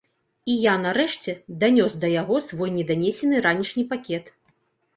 І я, нарэшце, данёс да яго свой неданесены ранішні пакет.